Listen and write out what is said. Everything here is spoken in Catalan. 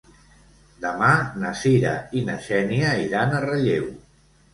Demà na Cira i na Xènia iran a Relleu.